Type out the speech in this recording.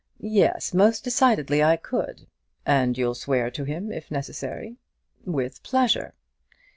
'Yes; most decidedly I could.' 'And you'll swear to him, if necessary?' 'With pleasure.'